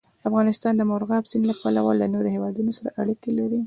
افغانستان د مورغاب سیند له پلوه له نورو هېوادونو سره اړیکې لري.